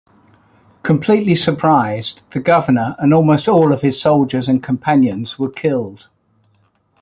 Completely surprised, the governor and almost all of his soldiers and companions were killed.